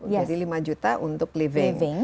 jadi lima juta untuk living